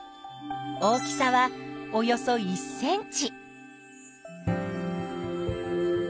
大きさはおよそ１ｃｍ。